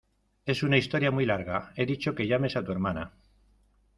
es una historia muy larga. he dicho que llames a tu hermana .